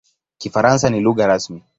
Kifaransa ni lugha rasmi.